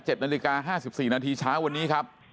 นาฬิกา๕๔นาทีเช้าวันนี้ครับ